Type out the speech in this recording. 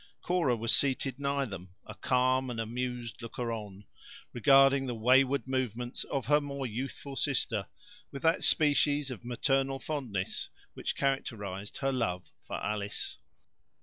Cora was seated nigh them, a calm and amused looker on; regarding the wayward movements of her more youthful sister with that species of maternal fondness which characterized her love for Alice.